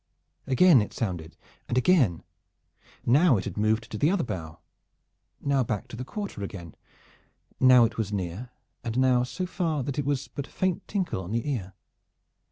Again it sounded, and again. Now it had moved to the other bow; now back to the quarter again; now it was near; and now so far that it was but a faint tinkle on the ear.